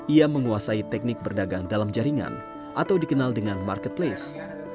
ia menguasai teknik berdagang dalam jaringan atau dikenal dengan marketplace